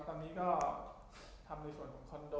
ตอนนี้ก็ทำในส่วนของคอนโด